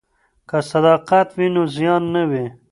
که صداقت وي نو زیان نه وي.